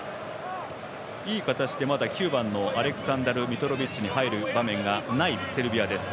いい形で９番のアレクサンダル・ミトロビッチに入る場面がない、セルビアです。